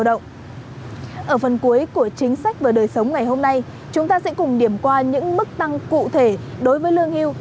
ở phần cuối của chính sách và đời sống ngày hôm nay chúng ta sẽ cùng điểm qua những mức tăng cụ thể đối với lương hưu